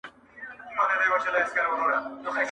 څوک به تودې کړي سړې جونګړي -